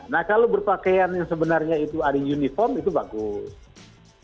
nah kalau berpakaian yang sebenarnya itu ada uniform itu bagus